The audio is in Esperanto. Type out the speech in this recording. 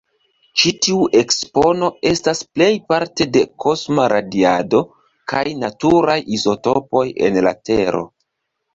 Ĉi tiu ekspono estas plejparte de kosma radiado kaj naturaj izotopoj en la Tero.